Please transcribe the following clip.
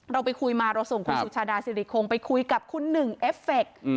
เราไปคุยมาเราส่งคุณสุชาดาสิริคงไปคุยกับคุณหนึ่งเอฟเฟค